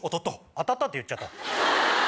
「当たった」って言っちゃった。